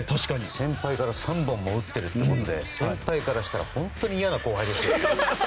先輩から３本も打っているということで先輩からしたら本当に嫌な後輩ですよね。